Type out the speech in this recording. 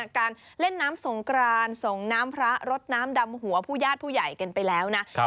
การเล่นน้ำสงกรานส่งน้ำพระรดน้ำดำหัวผู้ญาติผู้ใหญ่กันไปแล้วนะ